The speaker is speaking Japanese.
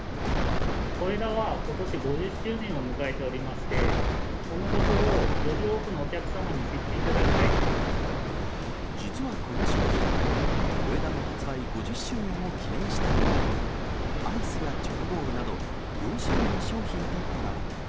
小枝はことし５０周年を迎えておりまして、そのことをより多くのお客様に知っていただきたい実はこの商品、小枝の発売５０周年を記念したもので、アイスやチョコボールなど、４種類の商品とコラボ。